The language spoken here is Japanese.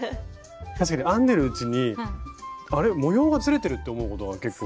確かに編んでるうちに「あれ？模様がずれてる」って思うことが結構。